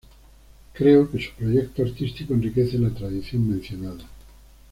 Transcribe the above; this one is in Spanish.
Creo que su proyecto artístico enriquece la tradición mencionada.